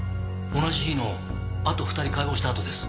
同じ日のあと２人解剖したあとです。